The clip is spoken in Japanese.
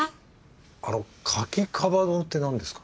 あの牡蠣カバ丼って何ですか？